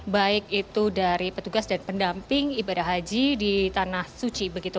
baik itu dari petugas dan pendamping ibadah haji di tanah suci begitu